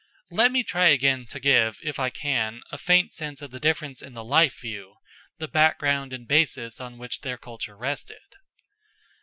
Let me try again to give, if I can, a faint sense of the difference in the life view the background and basis on which their culture rested.